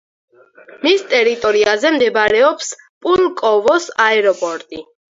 მის ტერიტორიაზე მდებარეობს პულკოვოს აეროპორტი.